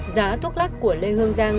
giá thuốc lắc của lê hương giang